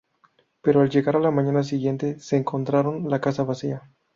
Pero al llegar a la mañana siguiente se encontraron la casa vacía.